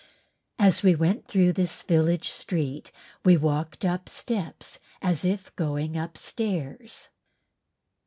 As we went through this village street we walked up steps as if going up stairs.